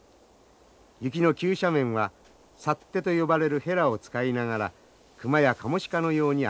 雪の急斜面はサッテと呼ばれるヘラを使いながら熊やカモシカのように歩きます。